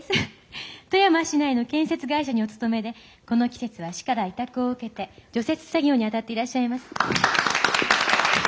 富山市内の建設会社にお勤めでこの季節は市から委託を受けて除雪作業に当たっていらっしゃいます。